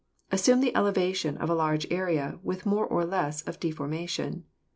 Assume the elevation of a large area, with more or less of deformation.